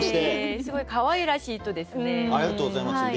すごいかわいらしい人ですね。